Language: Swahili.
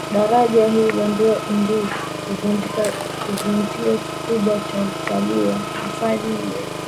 daraja hilo ni kivutio kikubwa cha utalii wa hifadhi hiyo